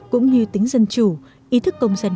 cũng như tính dân chủ ý thức công dân